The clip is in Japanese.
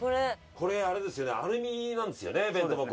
これあれですよねアルミなんですよね弁当箱。